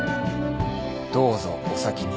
どうぞお先に。